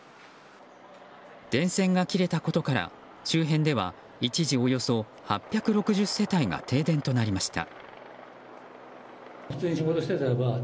電線が切れたことから周辺では一時およそ８６０世帯が停電となりました。